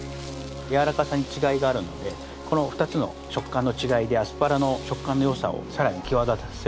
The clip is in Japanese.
やわらかさに違いがあるのでこの２つの食感の違いでアスパラの食感のよさをさらに際立たせようかなと。